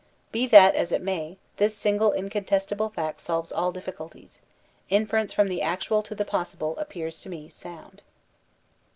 Be that as it may, this single incontestable fact solves all difficulties; inference from the actual to the possible appears to me sound.